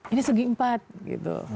ini segi empat gitu